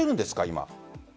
今。